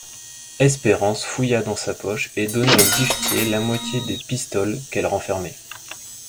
Espérance fouilla dans sa poche et donna au guichetier la moitié des pistoles qu'elle renfermait.